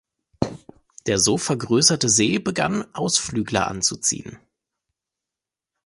Der so vergrößerte See begann, Ausflügler anzuziehen.